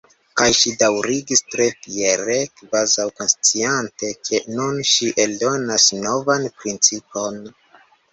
Kaj ŝi daŭrigis tre fiere, kvazaŭ konsciante ke nun ŝi eldonas novan principon.